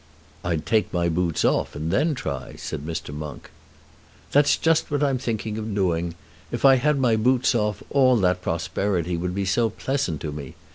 "I'd take my boots off, and then try," said Mr. Monk. "That's just what I'm thinking of doing. If I had my boots off all that prosperity would be so pleasant to me!